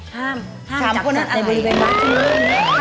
ห้ามจับสัตว์อะไรอยู่กันเลยคลำแปลว่าอะไรอ่ะ